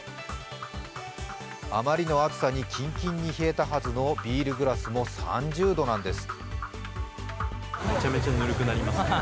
あまりの暑さに、キンキンに冷えたはずのビールグラスも３０度なんです。